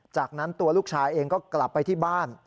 จากนั้นตัวลูกชายเองก็กลับไปที่บ้าน